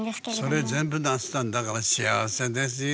それ全部なすったんだから幸せですよ。